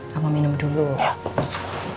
kamu minum dulu